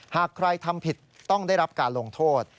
หากใครทำผิดต้องได้รับการลงโทษ